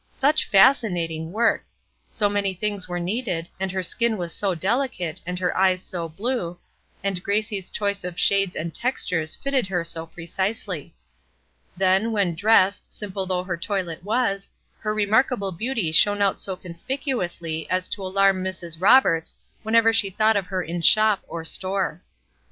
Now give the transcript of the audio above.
Such fascinating work! So many things were needed, and her skin was so delicate, and her eyes so blue, and Gracie's choice of shades and textures fitted her so precisely. Then, when dressed, simple though her toilet was, her remarkable beauty shone out so conspicuously as to alarm Mrs. Roberts whenever she thought of her in shop or store.